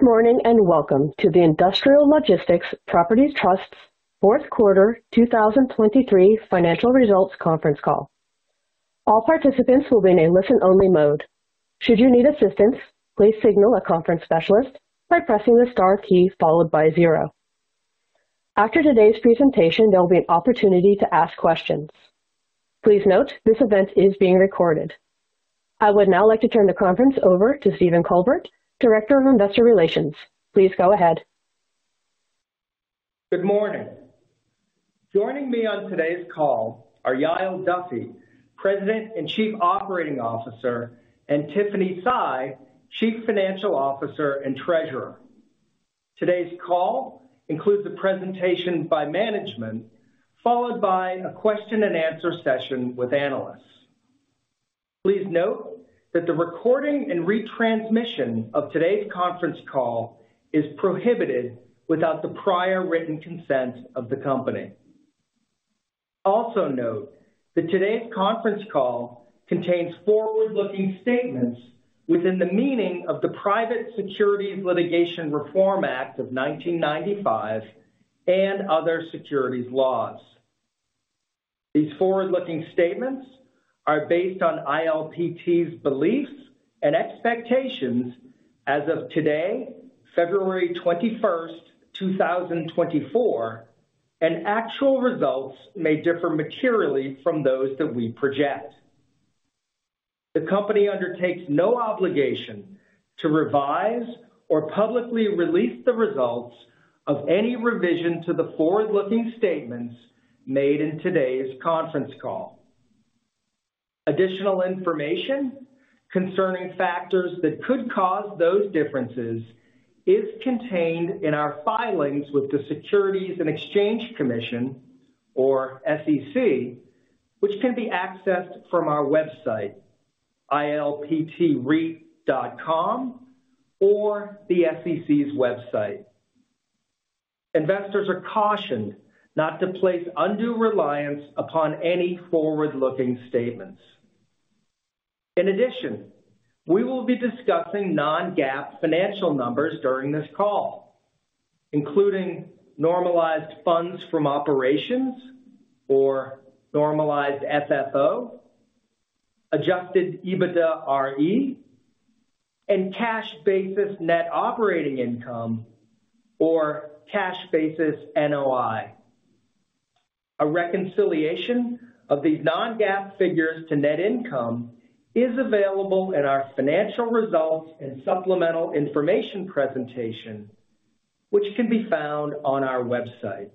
Good morning, and welcome to the Industrial Logistics Properties Trust's fourth quarter 2023 financial results conference call. All participants will be in a listen-only mode. Should you need assistance, please signal a conference specialist by pressing the Star key followed by zero. After today's presentation, there will be an opportunity to ask questions. Please note, this event is being recorded. I would now like to turn the conference over to Stephen Colbert, Director of Investor Relations. Please go ahead. Good morning. Joining me on today's call are Yael Duffy, President and Chief Operating Officer, and Tiffany Sy, Chief Financial Officer and Treasurer. Today's call includes a presentation by management, followed by a question-and-answer session with analysts. Please note that the recording and retransmission of today's conference call is prohibited without the prior written consent of the company. Also note that today's conference call contains forward-looking statements within the meaning of the Private Securities Litigation Reform Act of 1995 and other securities laws. These forward-looking statements are based on ILPT's beliefs and expectations as of today, February 21, 2024, and actual results may differ materially from those that we project. The company undertakes no obligation to revise or publicly release the results of any revision to the forward-looking statements made in today's conference call. Additional information concerning factors that could cause those differences is contained in our filings with the Securities and Exchange Commission, or SEC, which can be accessed from our website, ilptreit.com, or the SEC's website. Investors are cautioned not to place undue reliance upon any forward-looking statements. In addition, we will be discussing non-GAAP financial numbers during this call, including normalized funds from operations or normalized FFO, Adjusted EBITDAre, and cash basis net operating income, or cash basis NOI. A reconciliation of these non-GAAP figures to net income is available in our financial results and supplemental information presentation, which can be found on our website.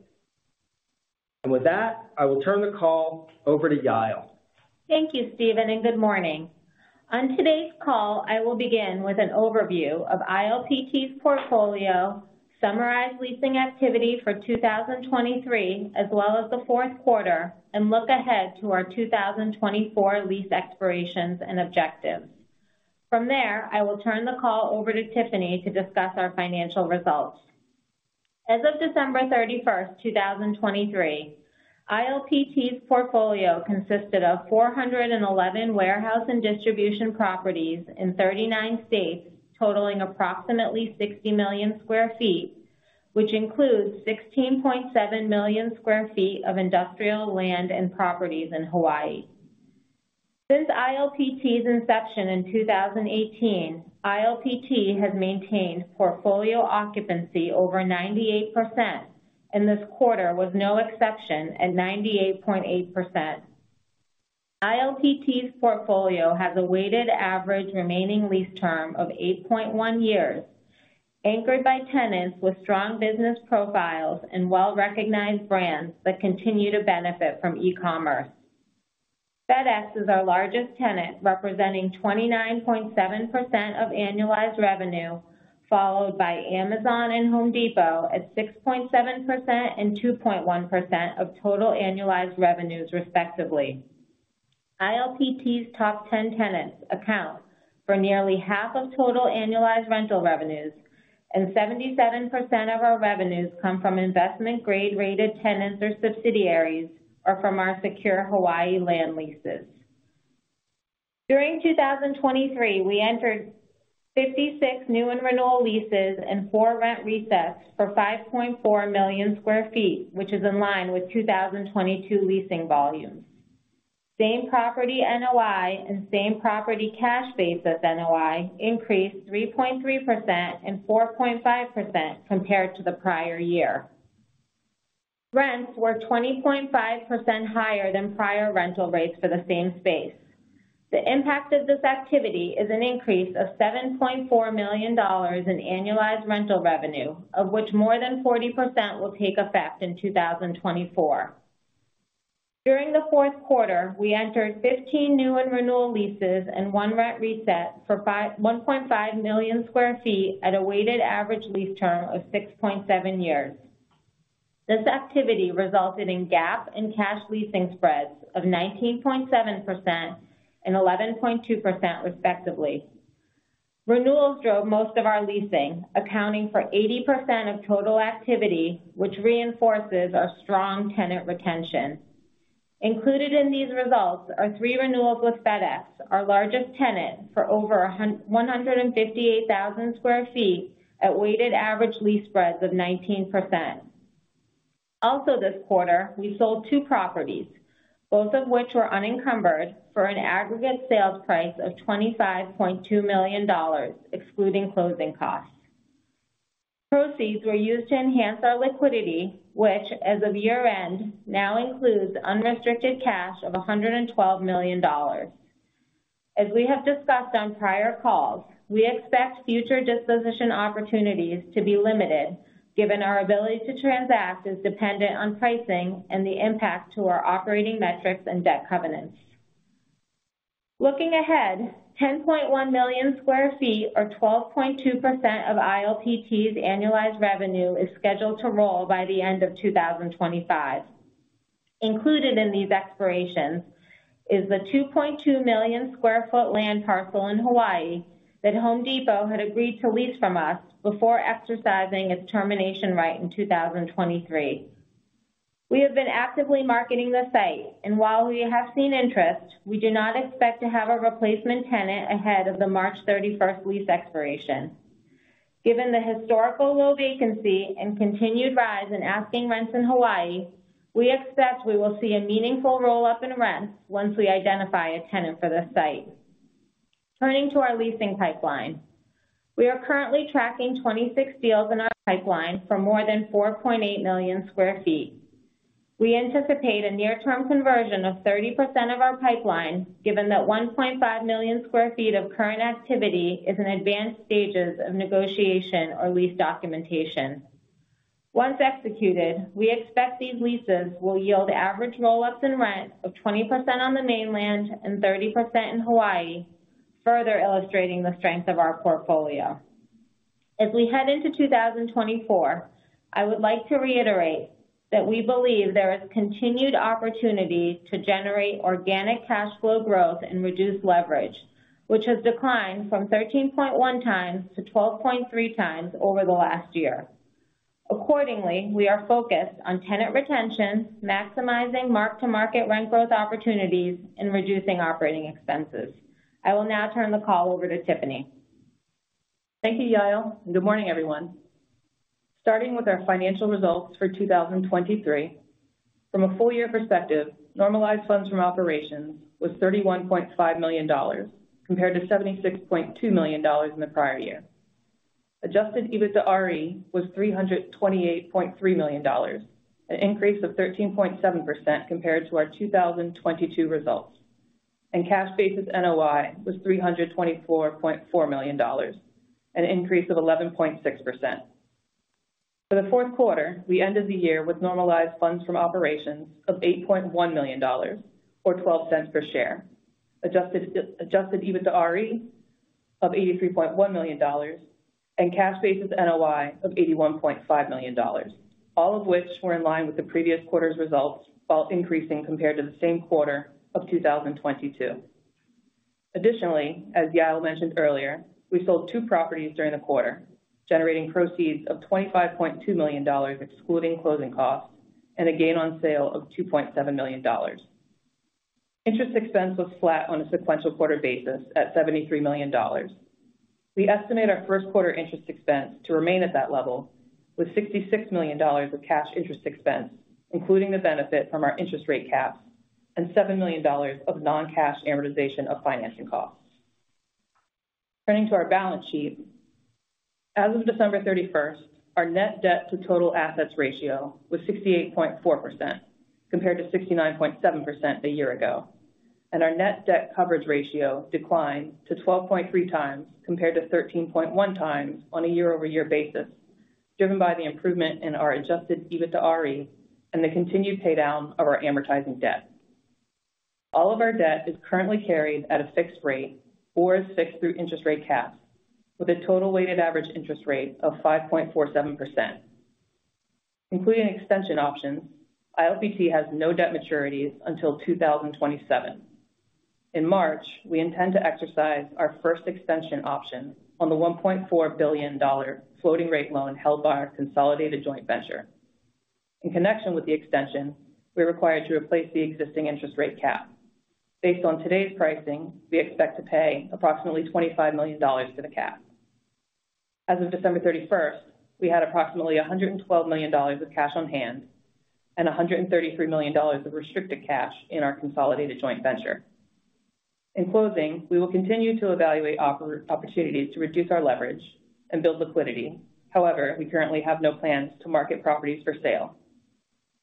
With that, I will turn the call over to Yael. Thank you, Stephen, and good morning. On today's call, I will begin with an overview of ILPT's portfolio, summarize leasing activity for 2023, as well as the fourth quarter, and look ahead to our 2024 lease expirations and objectives. From there, I will turn the call over to Tiffany to discuss our financial results. As of December 31, 2023, ILPT's portfolio consisted of 411 warehouse and distribution properties in 39 states, totaling approximately 60 million sq ft, which includes 16.7 million sq ft of industrial land and properties in Hawaii. Since ILPT's inception in 2018, ILPT has maintained portfolio occupancy over 98%, and this quarter was no exception at 98.8%. ILPT's portfolio has a weighted average remaining lease term of 8.1 years, anchored by tenants with strong business profiles and well-recognized brands that continue to benefit from e-commerce. FedEx is our largest tenant, representing 29.7% of annualized revenue, followed by Amazon and Home Depot at 6.7% and 2.1% of total annualized revenues, respectively. ILPT's top 10 tenants account for nearly half of total annualized rental revenues, and 77% of our revenues come from investment grade rated tenants or subsidiaries, or from our secure Hawaii land leases. During 2023, we entered 56 new and renewal leases and four rent resets for 5.4 million sq ft, which is in line with 2022 leasing volumes. Same Property NOI and Same Property Cash Basis NOI increased 3.3% and 4.5% compared to the prior year. Rents were 20.5% higher than prior rental rates for the same space. The impact of this activity is an increase of $7.4 million in annualized rental revenue, of which more than 40% will take effect in 2024. During the fourth quarter, we entered 15 new and renewal leases and 1 rent reset for 1.5 million sq ft at a weighted average lease term of 6.7 years. This activity resulted in GAAP and cash leasing spreads of 19.7% and 11.2%, respectively. Renewals drove most of our leasing, accounting for 80% of total activity, which reinforces our strong tenant retention. Included in these results are three renewals with FedEx, our largest tenant, for over 158,000 sq ft at weighted average lease spreads of 19%. Also this quarter, we sold two properties, both of which were unencumbered, for an aggregate sales price of $25.2 million, excluding closing costs. Proceeds were used to enhance our liquidity, which, as of year-end, now includes unrestricted cash of $112 million. As we have discussed on prior calls, we expect future disposition opportunities to be limited, given our ability to transact is dependent on pricing and the impact to our operating metrics and debt covenants. Looking ahead, 10.1 million sq ft, or 12.2% of ILPT's annualized revenue, is scheduled to roll by the end of 2025. Included in these expirations is the 2.2 million sq ft land parcel in Hawaii that Home Depot had agreed to lease from us before exercising its termination right in 2023. We have been actively marketing the site, and while we have seen interest, we do not expect to have a replacement tenant ahead of the March 31st lease expiration. Given the historical low vacancy and continued rise in asking rents in Hawaii, we expect we will see a meaningful roll-up in rents once we identify a tenant for this site. Turning to our leasing pipeline. We are currently tracking 26 deals in our pipeline for more than 4.8 million sq ft. We anticipate a near-term conversion of 30% of our pipeline, given that 1.5 million sq ft of current activity is in advanced stages of negotiation or lease documentation. Once executed, we expect these leases will yield average roll-ups in rent of 20% on the mainland and 30% in Hawaii, further illustrating the strength of our portfolio. As we head into 2024, I would like to reiterate that we believe there is continued opportunity to generate organic cash flow growth and reduce leverage, which has declined from 13.1x to 12.3x over the last year. Accordingly, we are focused on tenant retention, maximizing mark-to-market rent growth opportunities, and reducing operating expenses. I will now turn the call over to Tiffany. Thank you, Yael, and good morning, everyone. Starting with our financial results for 2023. From a full year perspective, normalized funds from operations was $31.5 million, compared to $76.2 million in the prior year. Adjusted EBITDAre was $328.3 million, an increase of 13.7% compared to our 2022 results. Cash Basis NOI was $324.4 million, an increase of 11.6%. For the fourth quarter, we ended the year with normalized funds from operations of $8.1 million, or 0.12 per share. Adjusted EBITDAre of $83.1 million and Cash Basis NOI of $81.5 million, all of which were in line with the previous quarter's results, while increasing compared to the same quarter of 2022. Additionally, as Yael mentioned earlier, we sold two properties during the quarter, generating proceeds of $25.2 million, excluding closing costs and a gain on sale of $2.7 million. Interest expense was flat on a sequential quarter basis at $73 million. We estimate our first quarter interest expense to remain at that level, with $66 million of cash interest expense, including the benefit from our interest rate caps and $7 million of non-cash amortization of financing costs. Turning to our balance sheet. As of December 31, our net debt to total assets ratio was 68.4%, compared to 69.7% a year ago, and our net debt coverage ratio declined to 12.3 times, compared to 13.1 times on a year-over-year basis, driven by the improvement in our Adjusted EBITDAre and the continued paydown of our amortizing debt. All of our debt is currently carried at a fixed rate or is fixed through interest rate caps, with a total weighted average interest rate of 5.47%. Including extension options, ILPT has no debt maturities until 2027. In March, we intend to exercise our first extension option on the $1.4 billion floating rate loan held by our consolidated joint venture. In connection with the extension, we are required to replace the existing interest rate cap. Based on today's pricing, we expect to pay approximately $25 million for the cap. As of December 31st, we had approximately $112 million of cash on hand and $133 million of restricted cash in our consolidated joint venture. In closing, we will continue to evaluate opportunities to reduce our leverage and build liquidity. However, we currently have no plans to market properties for sale.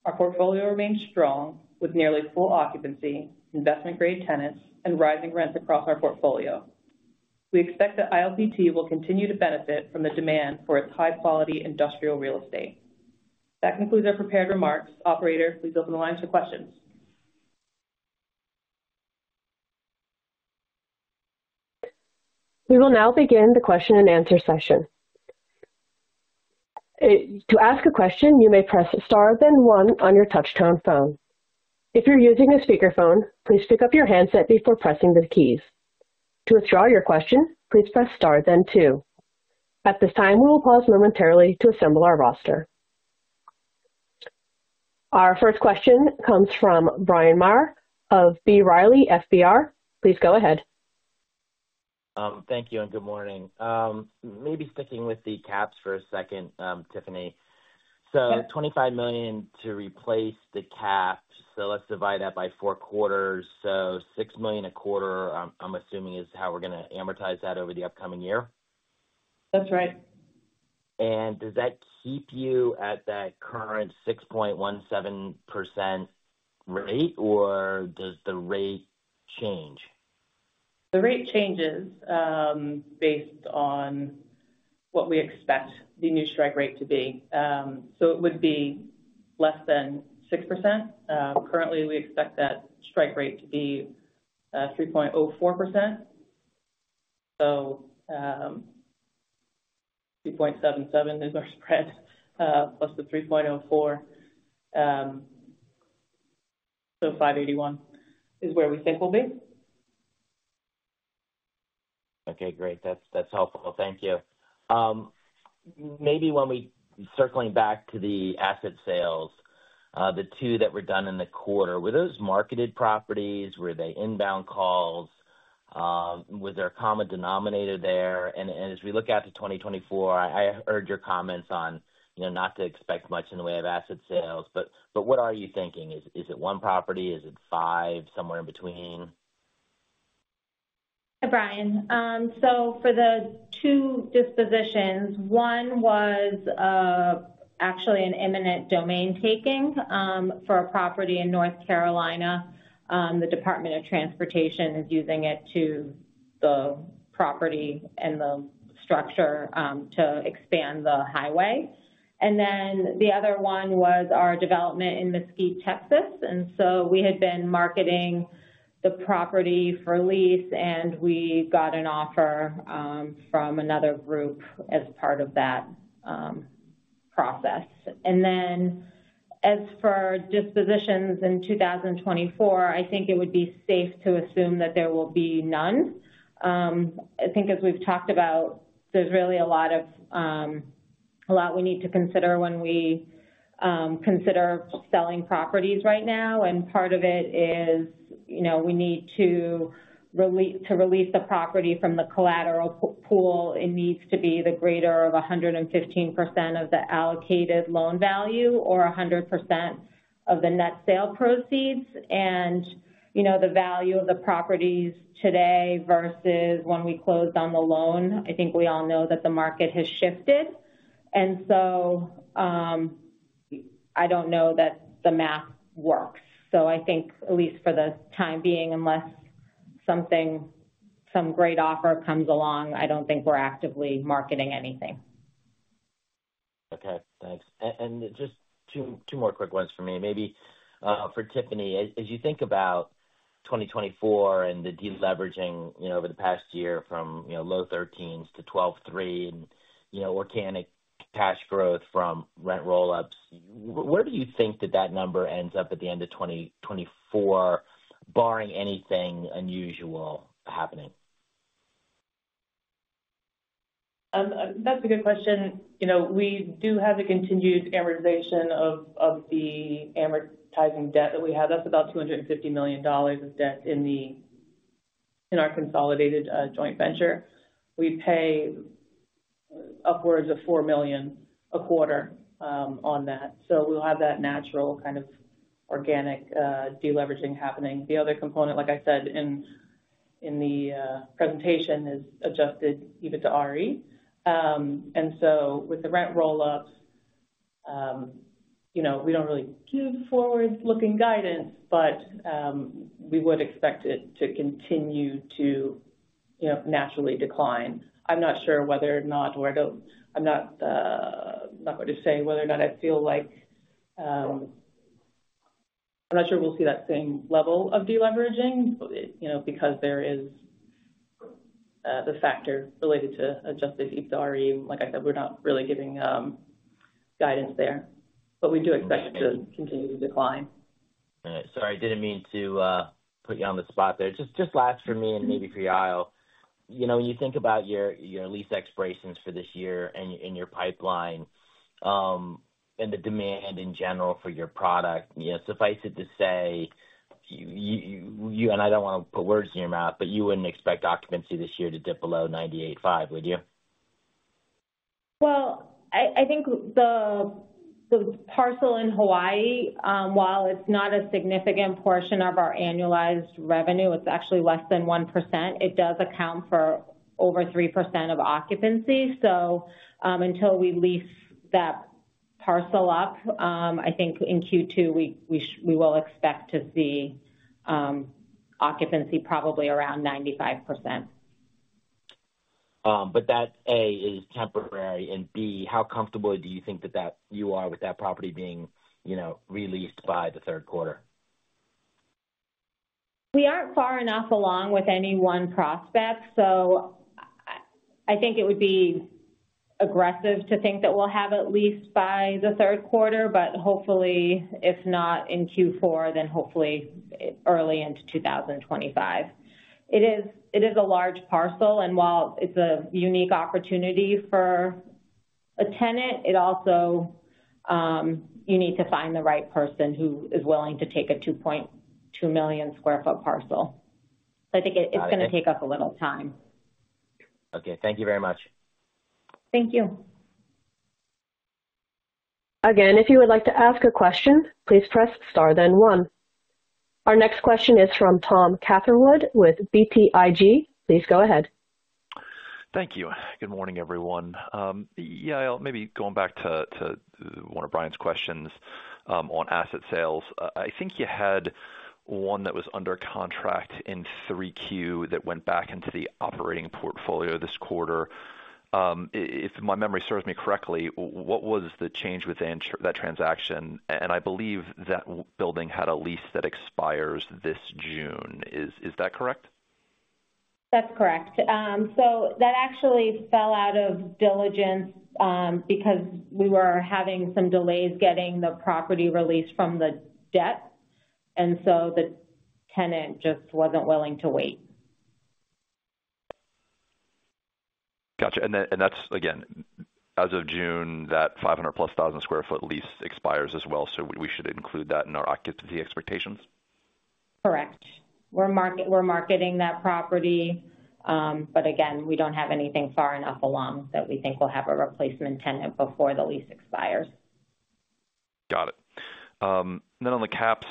Our portfolio remains strong, with nearly full occupancy, investment-grade tenants, and rising rents across our portfolio. We expect that ILPT will continue to benefit from the demand for its high-quality industrial real estate. That concludes our prepared remarks. Operator, please open the line for questions. We will now begin the question and answer session. To ask a question, you may press star, then one on your touchtone phone. If you're using a speakerphone, please pick up your handset before pressing the keys. To withdraw your question, please press Star, then two. At this time, we will pause momentarily to assemble our roster. Our first question comes from Bryan Maher of B. Riley Securities. Please go ahead. Thank you, and good morning. Maybe sticking with the caps for a second, Tiffany. Yeah. $25 million to replace the cap. Let's divide that by four quarters. $6 million a quarter, I'm assuming, is how we're gonna amortize that over the upcoming year? That's right. Does that keep you at that current 6.17% rate, or does the rate change? The rate changes based on what we expect the new strike rate to be. So it would be less than 6%. Currently, we expect that strike rate to be 3.04%. So 2.77 is our spread plus the 3.04, so 5.81 is where we think we'll be. Okay, great. That's, that's helpful. Thank you. Maybe circling back to the asset sales, the two that were done in the quarter, were those marketed properties? Were they inbound calls? Was there a common denominator there? And as we look out to 2024, I heard your comments on, you know, not to expect much in the way of asset sales, but what are you thinking? Is it 1 property? Is it five? Somewhere in between? Hi, Bryan. So for the two dispositions, one was actually an eminent domain taking for a property in North Carolina. The Department of Transportation is using it to the property and the structure to expand the highway. And then the other one was our development in Mesquite, Texas, and so we had been marketing the property for lease, and we got an offer from another group as part of that process. And then, as for dispositions in 2024, I think it would be safe to assume that there will be none. I think as we've talked about, there's really a lot of a lot we need to consider when we consider selling properties right now, and part of it is, you know, we need to release the property from the collateral pool. It needs to be the greater of 115% of the allocated loan value or 100% of the net sale proceeds. You know, the value of the properties today versus when we closed on the loan, I think we all know that the market has shifted, and so, I don't know that the math works. So I think, at least for the time being, unless something, some great offer comes along, I don't think we're actively marketing anything. Okay, thanks. And just two more quick ones for me. Maybe for Tiffany. As you think about 2024 and the deleveraging, you know, over the past year from, you know, low 13s to 12.3 and, you know, organic cash growth from rent roll-ups, where do you think that number ends up at the end of 2024, barring anything unusual happening? That's a good question. You know, we do have a continued amortization of the amortizing debt that we have. That's about $250 million of debt in our consolidated joint venture. We pay upwards of $4 million a quarter on that. So we'll have that natural kind of organic deleveraging happening. The other component, like I said, in the presentation, is Adjusted EBITDAre. And so with the rent roll-ups, you know, we don't really give forward-looking guidance, but we would expect it to continue to, you know, naturally decline. I'm not sure whether or not, or I don't—I'm not, I'm not going to say whether or not I feel like... I'm not sure we'll see that same level of deleveraging, you know, because there is the factor related to adjusted EBITDAre. Like I said, we're not really giving guidance there, but we do expect it to continue to decline. All right. Sorry, I didn't mean to put you on the spot there. Just, just last for me and maybe for Yael. You know, when you think about your, your lease expirations for this year and in your pipeline, and the demand in general for your product, you know, suffice it to say, you and I don't want to put words in your mouth, but you wouldn't expect occupancy this year to dip below 98.5%, would you? Well, I think the parcel in Hawaii, while it's not a significant portion of our annualized revenue, it's actually less than 1%, it does account for over 3% of occupancy. So, until we lease that parcel up, I think in Q2, we will expect to see, occupancy probably around 95%. But that, A, is temporary, and B, how comfortable do you think that you are with that property being, you know, re-leased by the third quarter? We aren't far enough along with any one prospect, so I think it would be aggressive to think that we'll have it leased by the third quarter, but hopefully, if not in Q4, then hopefully early into 2025. It is a large parcel, and while it's a unique opportunity for a tenant, it also you need to find the right person who is willing to take a 2.2 million sq ft parcel. So I think it- Got it. It's gonna take us a little time. Okay. Thank you very much. Thank you. Again, if you would like to ask a question, please press Star, then one. Our next question is from Tom Catherwood with BTIG. Please go ahead. Thank you. Good morning, everyone. Yeah, I'll maybe going back to one of Brian's questions on asset sales. I think you had one that was under contract in 3Q that went back into the operating portfolio this quarter. If my memory serves me correctly, what was the change within that transaction? And I believe that building had a lease that expires this June. Is that correct? That's correct. So that actually fell out of diligence, because we were having some delays getting the property released from the debt, and so the tenant just wasn't willing to wait. Gotcha. And then, and that's again, as of June, that 500,000+ sq ft lease expires as well, so we, we should include that in our occupancy expectations? Correct. We're marketing that property. But again, we don't have anything far enough along that we think we'll have a replacement tenant before the lease expires. Got it. Then on the caps,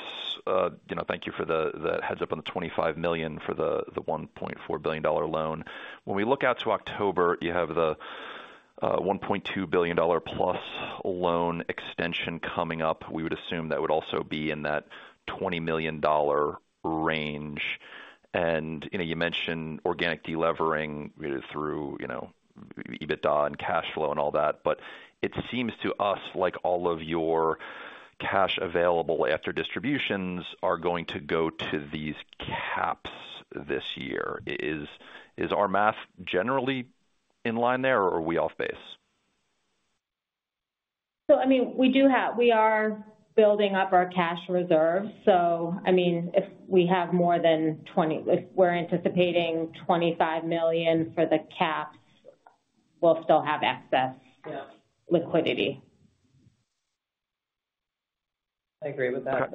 you know, thank you for the heads up on the $25 million for the $1.4 billion loan. When we look out to October, you have the $1.2 billion plus loan extension coming up. We would assume that would also be in that $20 million range. And, you know, you mentioned organic delevering through, you know, EBITDA and cash flow and all that, but it seems to us like all of your cash available after distributions are going to go to these caps this year. Is our math generally in line there, or are we off base? So, I mean, we do have, we are building up our cash reserves, so, I mean, if we have more than 20... If we're anticipating $25 million for the caps, we'll still have excess- Yeah. -liquidity. I agree with that.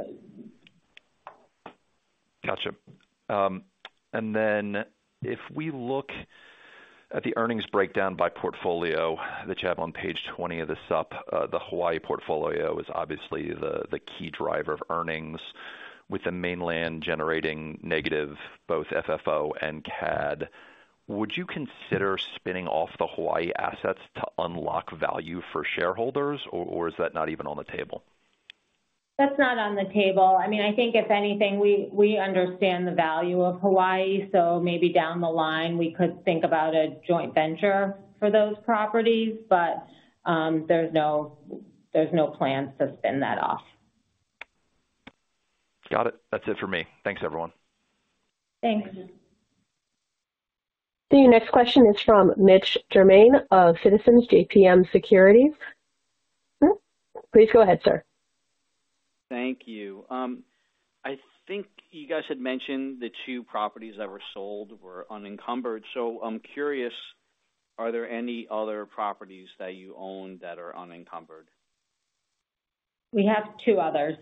Gotcha. And then if we look at the earnings breakdown by portfolio that you have on page 20 of the sup, the Hawaii portfolio is obviously the key driver of earnings, with the mainland generating negative both FFO and CAD. Would you consider spinning off the Hawaii assets to unlock value for shareholders, or is that not even on the table? That's not on the table. I mean, I think if anything, we understand the value of Hawaii, so maybe down the line, we could think about a joint venture for those properties, but there's no plans to spin that off. Got it. That's it for me. Thanks, everyone. Thanks. The next question is from Mitch Germain of Citizens JMP Securities. Please go ahead, sir. Thank you. I think you guys had mentioned the two properties that were sold were unencumbered. So I'm curious, are there any other properties that you own that are unencumbered? We have two others.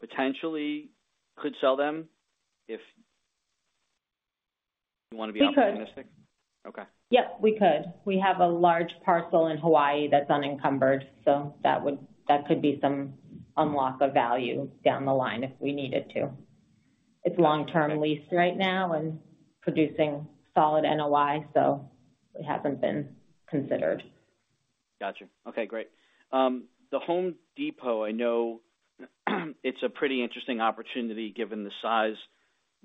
Potentially could sell them if you wanna be optimistic? We could. Okay. Yep, we could. We have a large parcel in Hawaii that's unencumbered, so that would, that could be some unlock of value down the line if we needed to. It's long-term leased right now and producing solid NOI, so it hasn't been considered. Gotcha. Okay, great. The Home Depot, I know, it's a pretty interesting opportunity given the size,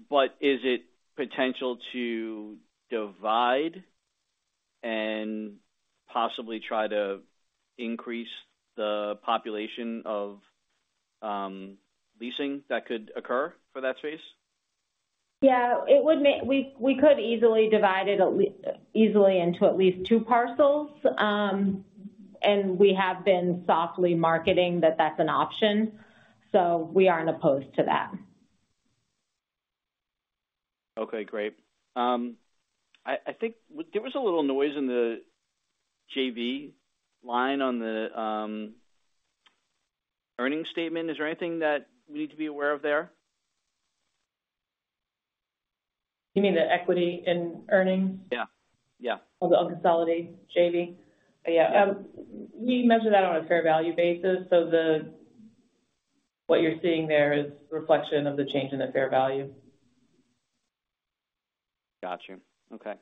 but is it potential to divide and possibly try to increase the population of, leasing that could occur for that space? Yeah, it would make. We could easily divide it easily into at least two parcels. We have been softly marketing that that's an option, so we aren't opposed to that. Okay, great. I think there was a little noise in the JV line on the earnings statement. Is there anything that we need to be aware of there? You mean the equity in earnings? Yeah. Yeah. Of the unconsolidated JV? Yeah, we measure that on a fair value basis, so what you're seeing there is reflection of the change in the fair value. Gotcha. Okay.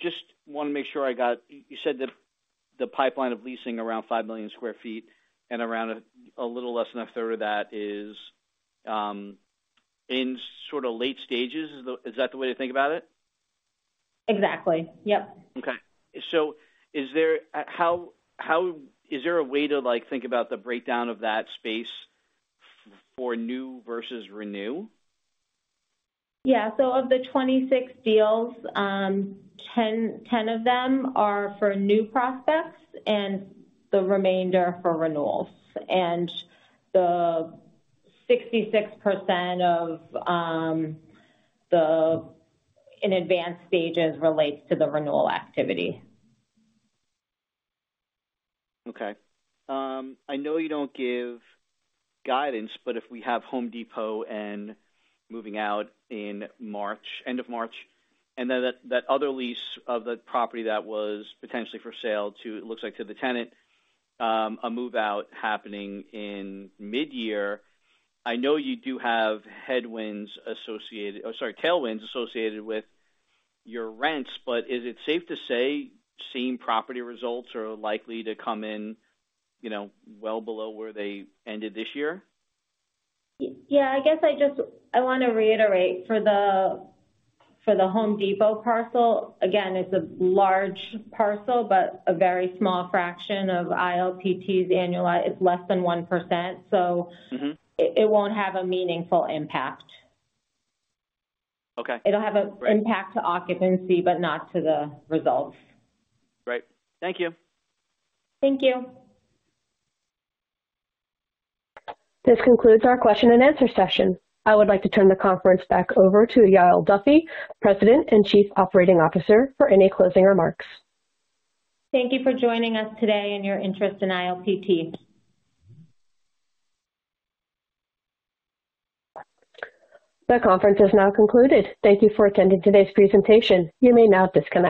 Just wanna make sure I got... You said that the pipeline of leasing around 5 million sq ft and around a little less than a third of that is in sort of late stages. Is that the way to think about it? Exactly. Yep. Okay. So is there a way to, like, think about the breakdown of that space for new versus renew? Yeah. So of the 26 deals, 10, 10 of them are for new prospects and the remainder for renewals. And the 66% of, the in advanced stages relates to the renewal activity. Okay. I know you don't give guidance, but if we have Home Depot and moving out in March, end of March, and then that other lease of the property that was potentially for sale to, it looks like to the tenant, a move-out happening in mid-year. I know you do have headwinds associated, or, sorry, tailwinds associated with your rents, but is it safe to say same property results are likely to come in, you know, well below where they ended this year? Yeah, I guess I just. I want to reiterate, for the, for the Home Depot parcel, again, it's a large parcel, but a very small fraction of ILPT's annual- it's less than 1%, so- Mm-hmm. It won't have a meaningful impact. Okay. It'll have a- Great... impact to occupancy, but not to the results. Great. Thank you. Thank you. This concludes our question and answer session. I would like to turn the conference back over to Yael Duffy, President and Chief Operating Officer, for any closing remarks. Thank you for joining us today and your interest in ILPT. The conference is now concluded. Thank you for attending today's presentation. You may now disconnect.